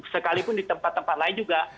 sekalipun di tempat tempat lain juga